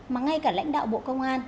mà ngay cả lãnh đạo bộ công an